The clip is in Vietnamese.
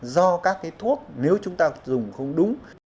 do các biến chứng của các biến chứng